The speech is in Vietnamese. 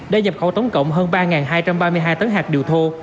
đã nhập khẩu tổng cộng hơn ba hai trăm ba mươi hai tấn hạt điều thô